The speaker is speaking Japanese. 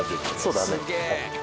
そうだね。